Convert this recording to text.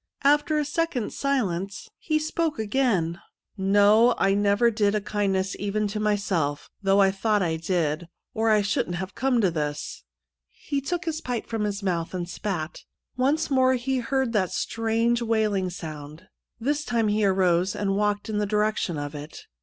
After a second's silence he spoke again. ' No, I never did 104 THE END OF A SHOW a kindness even to myself, though I thought I didj or I shouldn't have come to this.' He took his pipe from his mouth and spat. Once more he heard that strange wailing sound ; this time he arose, and walked in the direction of it.